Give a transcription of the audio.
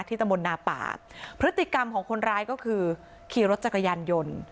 ตะมนตนาป่าพฤติกรรมของคนร้ายก็คือขี่รถจักรยานยนต์